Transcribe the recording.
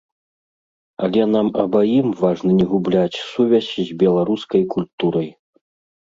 Але нам абаім важна не губляць сувязь з беларускай культурай.